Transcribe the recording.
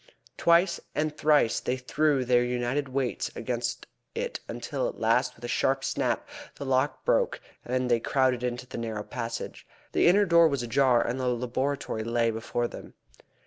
Twice and thrice they threw their united weights against it until at last with a sharp snap the lock broke, and they crowded into the narrow passage. The inner door was ajar, and the laboratory lay before them.